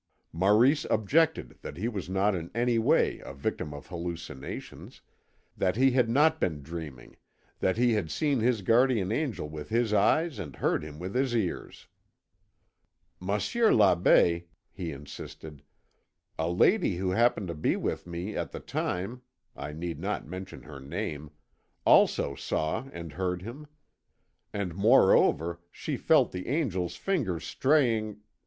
Maurice objected that he was not in any way a victim of hallucinations, that he had not been dreaming, that he had seen his guardian angel with his eyes and heard him with his ears. "Monsieur l'Abbé," he insisted, "a lady who happened to be with me at the time, I need not mention her name, also saw and heard him. And, moreover, she felt the angel's fingers straying ...